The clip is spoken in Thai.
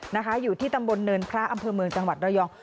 นะคะอยู่ที่ตำบลเนินพระอำเภอเมืองจังหวัดระยอง